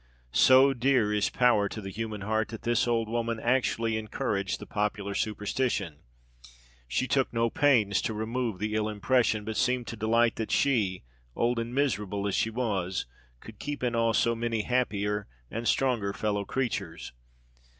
So dear is power to the human heart, that this old woman actually encouraged the popular superstition; she took no pains to remove the ill impression, but seemed to delight that she, old and miserable as she was, could keep in awe so many happier and stronger fellow creatures.